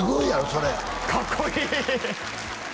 それかっこいい！